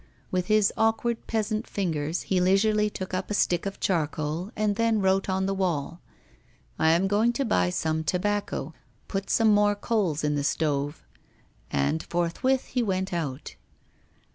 With his awkward peasant fingers he leisurely took up a stick of charcoal and then wrote on the wall: 'I am going to buy some tobacco; put some more coals in the stove.' And forthwith he went out.